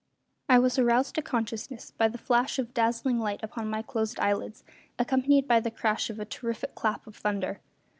I was aroused to consciousness by the flash of a dazzling light upon my closed eyelids, accompanied by the crash of a terrific clap of thunder.